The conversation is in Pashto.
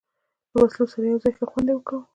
له وسلو سره یو ځای، ښه خوند یې کاوه.